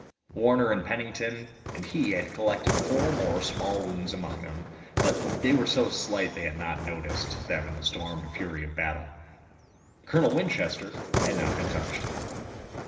Warner and Pennington and he had collected four more small wounds among them, but they were so slight that they had not noticed them in the storm and fury of the battle. Colonel Winchester had not been touched.